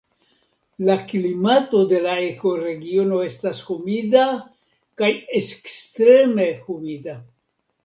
La klimato de la ekoregiono estas humida kaj ekstreme humida.